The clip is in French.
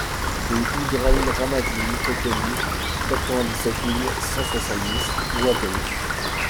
RUE IBRAHIM RAMADANI COCONI, quatre-vingt-dix-sept mille six cent soixante-dix Ouangani